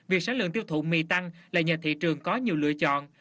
việc sản lượng tiêu thụ mì tăng là nhờ thị trường có nhiều lựa chọn